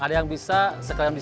jadi ada biaya tambahan dong